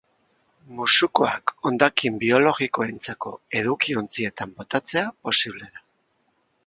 Musukoak hondakin biologikoentzako edukiontzietan botatzea posible da.